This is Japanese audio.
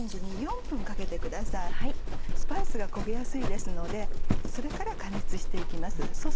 スパイスが焦げやすいですのでそれから加熱して行きます。